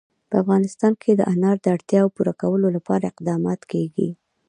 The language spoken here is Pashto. په افغانستان کې د انار د اړتیاوو پوره کولو لپاره اقدامات کېږي.